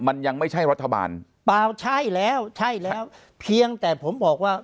มันยังไม่ใช่รัฐบาลเปล่าใช่แล้วใช่แล้วเพียงแต่ผมบอกว่า